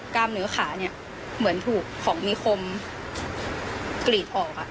กล้ามเนื้อขาเนี้ยเหมือนถูกของมีคมกลีดออกอ่ะ